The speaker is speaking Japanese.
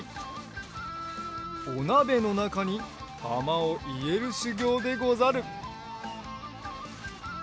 おなべのなかにたまをいれるしゅぎょうでござる。